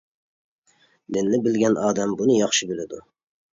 دىننى بىلگەن ئادەم بۇنى ياخشى بىلىدۇ.